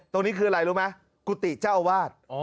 ตรงนี้คืออะไรรู้ไหมกุฏิเจ้าอาวาส